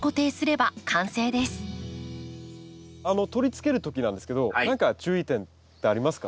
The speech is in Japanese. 取り付ける時なんですけど何か注意点ってありますか？